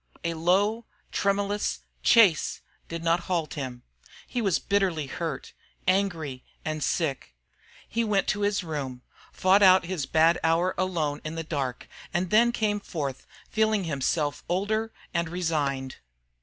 A low, tremulous "Chase!" did not halt him. He was bitterly hurt, angry, and sick. He went to his room, fought out his bad hour alone in the dark, and then came forth feeling himself older and resigned.